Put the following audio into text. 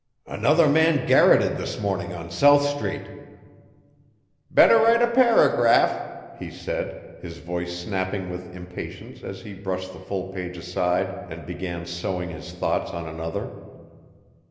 'Another man garrotted this morning on South Street. 'Better write a paragraph,' he said, his voice snapping with impatience as he brushed the full page aside and began sowing his thoughts on another.